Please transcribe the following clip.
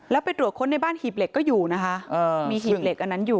แล้วไปตรวจค้นในบ้านหีบเหล็กก็อยู่นะคะมีหีบเหล็กอันนั้นอยู่